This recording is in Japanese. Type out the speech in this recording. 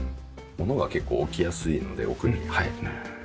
物が結構置きやすいので奥に。